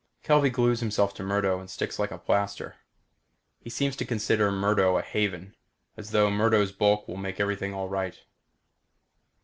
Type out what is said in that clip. Kelvey glues himself to Murdo and sticks like a plaster. He seems to consider Murdo a haven, as though Murdo's bulk will make everything all right.